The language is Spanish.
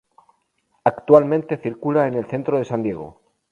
Actualmente circula el Centro de San Diego.